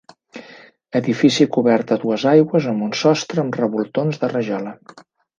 Edifici cobert a dues aigües amb un sostre amb revoltons de rajola.